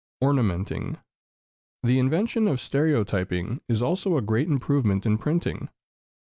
Ornamenting. The invention of stereotyping is also a great improvement in printing.